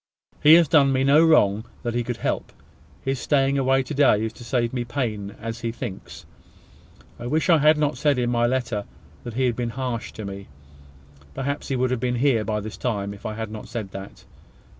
He has done me no wrong that he could help. His staying away to day is to save me pain, as he thinks. I wish I had not said in my letter that he has been harsh to me. Perhaps he would have been here by this time if I had not said that.